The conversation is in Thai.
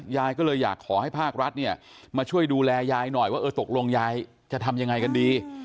ยายก็เลยอยากขอให้ภาครัฐเนี่ยมาช่วยดูแลยายหน่อยว่าเออตกลงยายจะทำยังไงกันดี